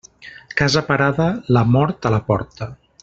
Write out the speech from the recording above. Casa parada, la mort a la porta.